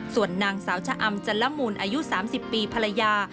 ส่วนนางสาวชะอำจันละมูลอายุ๓๐ปีภรรยา